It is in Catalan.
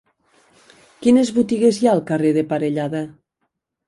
Quines botigues hi ha al carrer de Parellada?